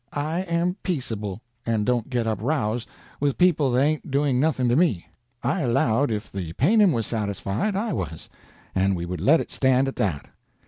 I am peaceable, and don't get up rows with people that ain't doing nothing to me. I allowed if the paynim was satisfied I was, and we would let it stand at that.